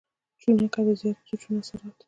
چونکه د زيات سوچونو اثرات